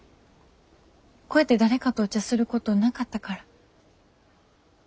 こうやって誰かとお茶することなかったから。